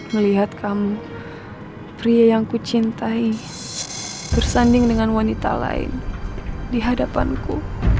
melihat kamu pria yang ku cintai bersanding dengan wanita lain di hadapanku